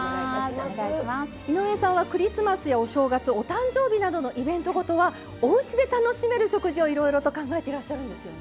井上さんはクリスマスやお正月お誕生日などのイベント事はおうちで楽しめる食事をいろいろ考えていらっしゃるんですよね。